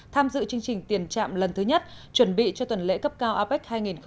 tham dự chương trình tiền trạm lần thứ nhất chuẩn bị cho tuần lễ cấp cao apec hai nghìn một mươi bảy